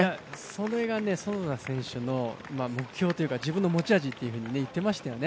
それが其田選手の目標というか自分の持ち味というふうに言っていましたよね。